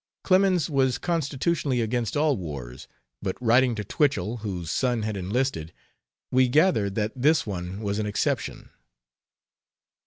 Clemens was constitutionally against all wars, but writing to Twichell, whose son had enlisted, we gather that this one was an exception.